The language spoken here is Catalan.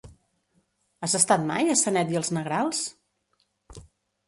Has estat mai a Sanet i els Negrals?